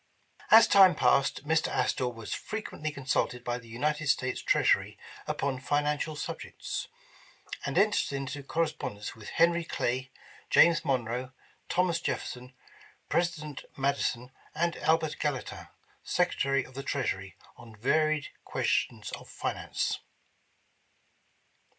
As time passed, Mr. Astor was frequently consulted by the United States Treasury upon financial subjects; and entered into correspondence with Hen'ry Clay, James Monroe, Thomas Jefferson, President Madison, and Albert Gallatin, Secretary of the Treasury, on varied questions of finance.